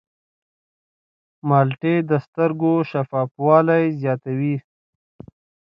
مالټې د سترګو شفافوالی زیاتوي.